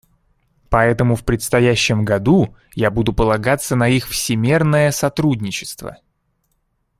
Поэтому в предстоящем году я буду полагаться на их всемерное сотрудничество.